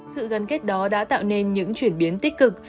sự gắn kết đó đã tạo nên những chuyển biến tích cực